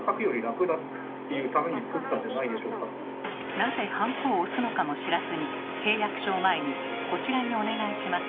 なぜハンコを押すのかも知らずに契約書を前に「こちらにお願いします」